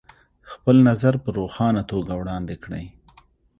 خپل نظر په روښانه توګه وړاندې کړئ.